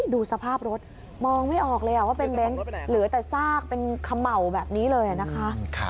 ดูสภาพรถมองไม่ออกเลยว่าเป็นเบนส์เหลือแต่ซากเป็นเขม่าแบบนี้เลยนะคะ